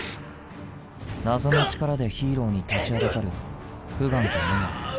謎の力でヒーローに立ちはだかるフガンとムガン。